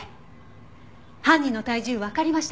犯人の体重わかりましたか？